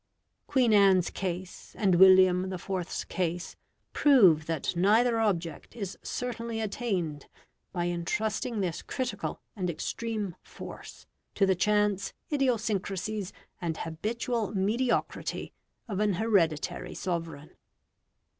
Queen Anne's case and William IV.'s case prove that neither object is certainly attained by entrusting this critical and extreme force to the chance idiosyncrasies and habitual mediocrity of an hereditary sovereign.